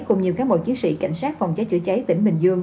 cùng nhiều cán bộ chiến sĩ cảnh sát phòng cháy chữa cháy tỉnh bình dương